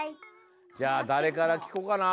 じゃあだれからきこうかな。